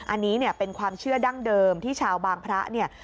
อันนี้เนี่ยเป็นความเชื่อดั้งเดิมที่ชาวบางพระเนี่ย